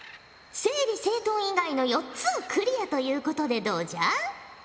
整理整頓以外の４つをクリアということでどうじゃ？